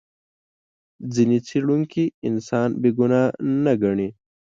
ځینې څېړونکي انسان بې ګناه نه ګڼي.